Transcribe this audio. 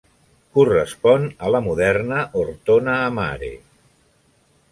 Correspon a la moderna Ortona a Mare.